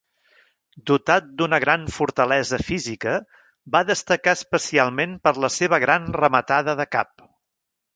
Dotat d'una gran fortalesa física, va destacar especialment per la seva gran rematada de cap.